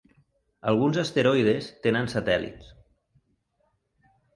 Alguns asteroides tenen satèl·lits.